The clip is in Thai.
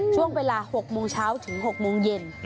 ช่วงเวลา๖โมงเช้าถึง๖โมงเย็น